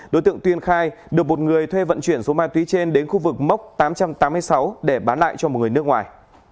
đối tượng tuyên khai được một người thuê vận chuyển số ma túy trên đến khu vực mốc tám trăm tám mươi sáu để bán lại cho một người nước ngoài